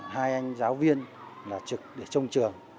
hai anh giáo viên là trực để trông trường